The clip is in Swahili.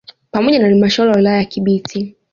Pamoja na halmashauri ya wilaya ya Kibiti